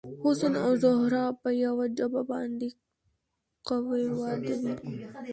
حسن او زهره په یوه جعبه باندې قوه واردوي.